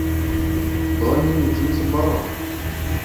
Былай минең джинсы бар ул.